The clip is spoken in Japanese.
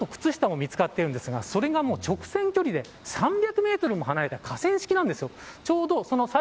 靴と靴下も見つかっているんですがそれが直線距離で３００メートルも離れた河川敷なんです。